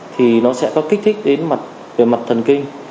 thì nó sẽ có kích thích đến mặt về mặt thần kinh